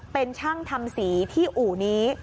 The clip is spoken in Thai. เป็นช่างทำสีที่อู่นี้